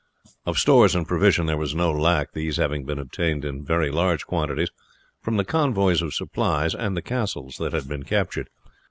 Of stores and provisions there was no lack, these having been obtained in very large quantities from the convoys of supplies and the castles that had been captured.